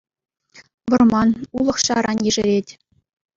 Вӑрман, улӑх-ҫаран ешерет.